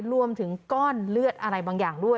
รวมถึงก้อนเลือดอะไรบางอย่างด้วย